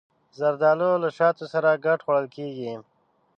زردالو له شاتو سره ګډ خوړل کېږي.